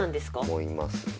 思いますね。